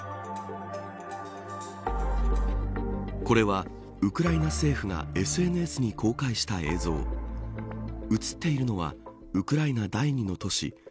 これは、ウクライナ政府がＳＮＳに公開した映像映っているのはウクライナ第２の都市